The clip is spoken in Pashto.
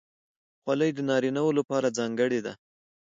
خولۍ د نارینه وو لپاره ځانګړې ده.